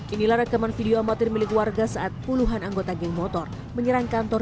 inilah rekaman video amatir milik warga saat puluhan anggota geng motor menyerang kantor